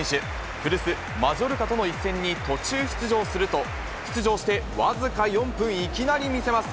古巣、マジョルカとの一戦に途中出場すると、出場して僅か４分、いきなり見せます。